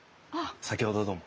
先ほどはどうも。